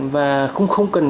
và không cần